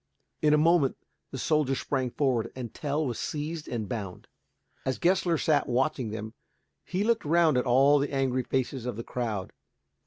In a moment the soldiers sprang forward, and Tell was seized and bound. As Gessler sat watching them, he looked round at all the angry faces of the crowd.